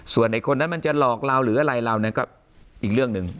ส่วนไอ้คนนั้นมันจะหลอกเราหรืออะไรเรานั้นก็อีกเรื่องหนึ่ง